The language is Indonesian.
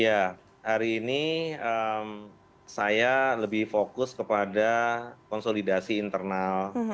ya hari ini saya lebih fokus kepada konsolidasi internal